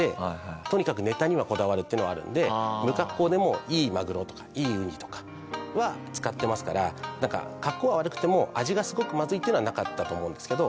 とにかくネタにはこだわるっていうのはあるので不格好でもいいマグロとかいいウニとかは使ってますから格好は悪くても味がすごくまずいっていうのはなかったと思うんですけど。